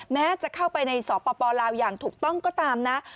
แม้จะเข้าไปในสปลาวอย่างถูกต้องก็ตามนะ